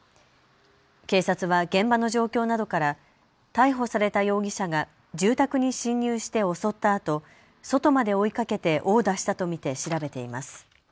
警察は現場の状況などから逮捕された容疑者が住宅に侵入して襲ったあと、外まで追いかけて殴打したと見て調べています。